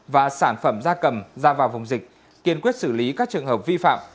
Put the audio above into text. và sản phẩm da cầm ra vào vùng dịch kiên quyết xử lý các trường hợp vi phạm